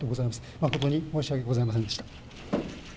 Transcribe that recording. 誠に申し訳ございませんでした。